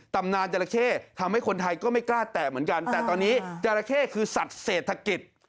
ตำนานจราเข้ทำให้คนไทยก็ไม่กล้าแตะเหมือนกันแต่ตอนนี้จราเข้คือสัตว์เศรษฐกิจ